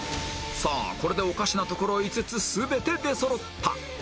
さあこれでおかしなところ５つ全て出そろった